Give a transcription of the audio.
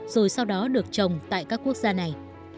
rồi sau đó được trồng tại các quốc gia này